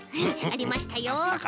ありましたよ。